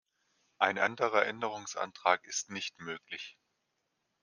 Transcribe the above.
Ein anderer Änderungsantrag ist nicht möglich.